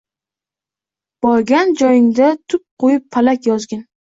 Borgan joyingda tup qo‘yib palak yozgin.